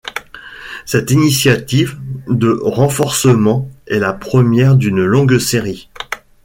Cette initiative de renforcement est la première d'une longue série.